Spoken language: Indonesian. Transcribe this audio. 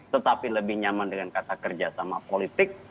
tetapi lebih nyaman dengan kata kerja sama politik